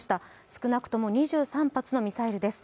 少なくとも２３発のミサイルです。